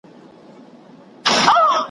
تازه ګل د خوب رو یانو په ټولۍ کي